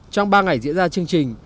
trong ba ngày diễn ra chương trình